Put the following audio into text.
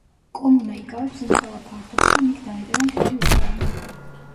კომუნა იკავებს იმხელა ფართობს, რომ იქ დაეტევა მთელი უკრაინა.